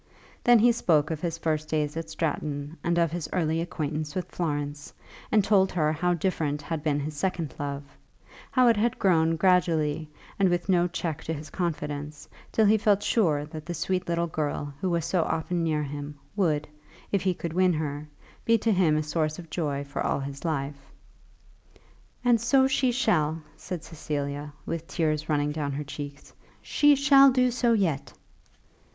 Then he spoke of his first days at Stratton and of his early acquaintance with Florence, and told her how different had been his second love, how it had grown gradually and with no check to his confidence, till he felt sure that the sweet girl who was so often near him would, if he could win her, be to him a source of joy for all his life. "And so she shall," said Cecilia, with tears running down her cheeks; "she shall do so yet."